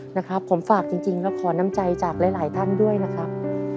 นะครับผมฝากจริงแล้วขอน้ำใจจากหลายท่านด้วยนะครับ